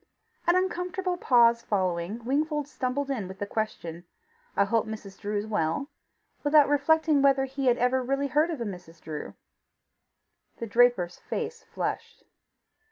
An uncomfortable pause following, Wingfold stumbled in with the question, "I hope Mrs. Drew is well," without reflecting whether he had really ever heard of a Mrs. Drew. The draper's face flushed.